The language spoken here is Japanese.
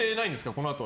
このあと。